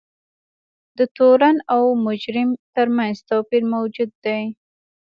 د تورن او مجرم ترمنځ توپیر موجود دی.